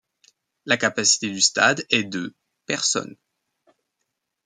La capacité du stade est de personnes.